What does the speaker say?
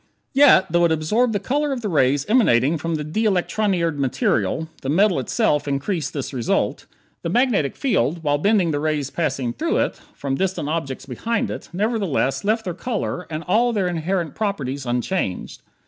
Yet, though it absorbed the color of the rays emanating from the de electronired metal (the metal itself increasing this result), the magnetic field, while bending the rays passing through it from distant objects behind it, nevertheless left their color and all their inherent properties unchanged.